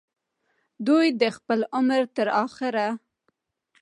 دوي د خپل عمر تر اخره